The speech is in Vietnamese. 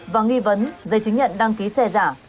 và nghi vấn giấy chứng nhận đăng ký xe giả